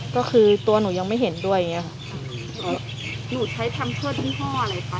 ก็คือตัวหนูยังไม่เห็นด้วยอย่างเงี้ค่ะหนูใช้ทำเพื่อยี่ห้ออะไรคะ